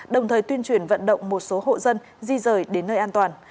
đồng thời tuyên truyền vận động một số hộ dân di rời đến nơi an toàn